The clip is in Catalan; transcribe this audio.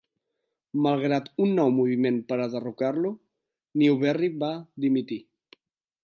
Malgrat un nou moviment per a derrocar-lo, Newberry va dimitir.